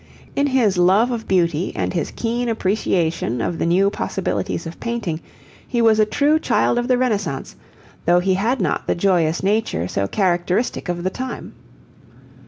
In his love of beauty and his keen appreciation of the new possibilities of painting he was a true child of the Renaissance, though he had not the joyous nature so characteristic of the time.